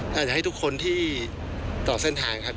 อยากจะให้ทุกคนที่ต่อเส้นทางครับ